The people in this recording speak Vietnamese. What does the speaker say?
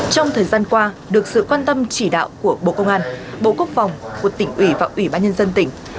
trong thời gian qua được sự quan tâm chỉ đạo của bộ công an bộ quốc phòng của tỉnh ủy và ủy ban nhân dân tỉnh